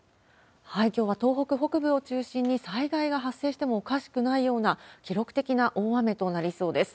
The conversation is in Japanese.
きょうは東北北部を中心に、災害が発生してもおかしくないような、記録的な大雨となりそうです。